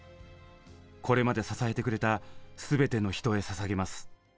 これまで支えてくれたすべての人へ捧げます。